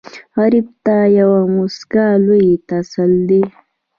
غریب ته یوه موسکا لوی تسل دی